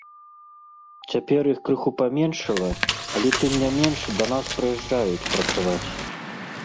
Цяпер іх крыху паменшала, але тым не менш да нас прыязджаюць працаваць.